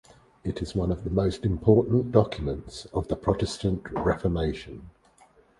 It is one of the most important documents of the Protestant Reformation.